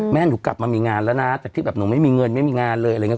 แม่หนูกลับมามีงานแล้วนะแต่ที่แบบหนูไม่มีเงินไม่มีงานเลย